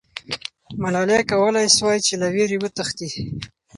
ملالۍ کولای سوای چې له ویرې وتښتي.